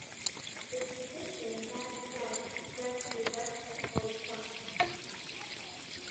The tradition then began to spread to the rest of college basketball.